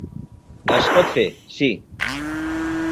Es pot fer, sí.